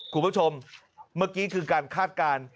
คุณผู้ชมเมื่อกี้คือการคาดการณ์